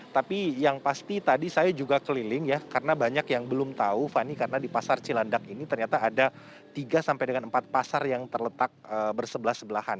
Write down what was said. tapi yang pasti tadi saya juga keliling ya karena banyak yang belum tahu fani karena di pasar cilandak ini ternyata ada tiga sampai dengan empat pasar yang terletak bersebelah sebelahan